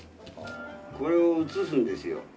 これを写すんですよ